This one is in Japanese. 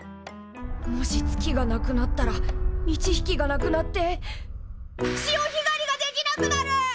もし月がなくなったら満ち引きがなくなって潮ひがりができなくなる！